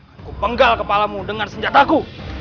aku penggal kepalamu dengan senjataku